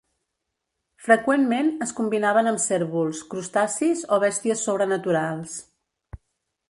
Freqüentment es combinaven amb cérvols, crustacis o bèsties sobrenaturals.